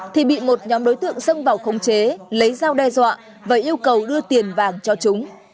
thì bị một nhóm đối tượng xông vào khống chế lấy dao đe dọa và yêu cầu đưa tiền vàng cho chúng